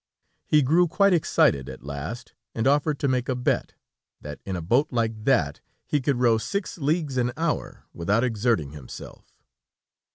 He grew quite excited at last, and offered to make a bet, that in a boat like that, he could row six leagues an hour, without exerting himself.